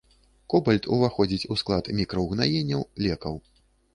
Кобальт уваходзіць у склад мікраўгнаенняў, лекаў.